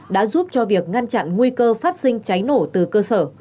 đã giúp cho việc ngăn chặn nguy cơ phát sinh cháy nổ từ cơ sở